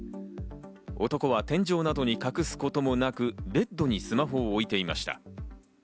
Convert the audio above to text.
男は天井などに隠すこともなく、ベッドにスマホを置いていました。